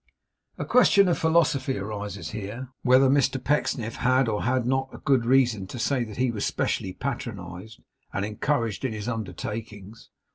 A question of philosophy arises here, whether Mr Pecksniff had or had not good reason to say that he was specially patronized and encouraged in his undertakings.